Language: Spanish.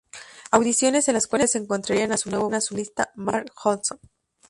Audiciones en las cuales encontrarían a su nuevo vocalista, Marc Hudson.